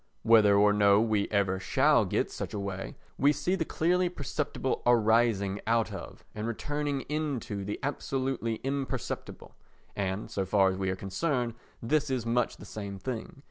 Whether or no we ever shall get such a way, we see the clearly perceptible arising out of and returning into the absolutely imperceptible and, so far as we are concerned, this is much the same thing.